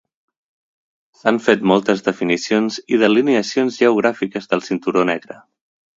S'han fet moltes definicions i delineacions geogràfiques del Cinturó Negre.